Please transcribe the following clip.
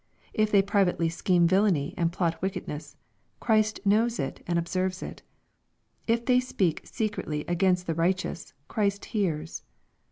If they privately scheme villainy and plot wickedness, Christ knows it and observes it. If they speak secretly against the righteous, Christ hears.